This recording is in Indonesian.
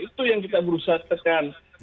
itu yang kita berusaha tekan pak bambang